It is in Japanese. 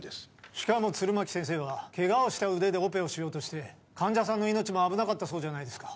しかも弦巻先生はケガをした腕でオペをしようとして患者さんの命も危なかったそうじゃないですか